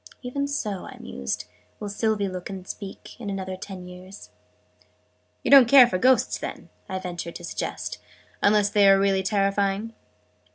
"Even so," I mused, "will Sylvie look and speak, in another ten years." "You don't care for Ghosts, then," I ventured to suggest, "unless they are really terrifying?"